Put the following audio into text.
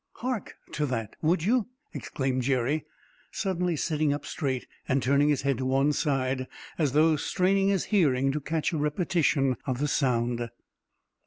"Hark to that, would you!" exclaimed Jerry, suddenly sitting up straight and turning his head to one side, as though straining his hearing to catch a repetition of the sound.